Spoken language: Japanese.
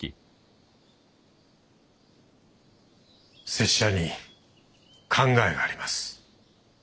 拙者に考えがあります。